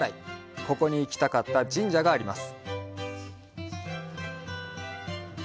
ここに、行きたかった神社があります。